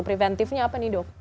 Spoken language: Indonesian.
preventifnya apa nih dok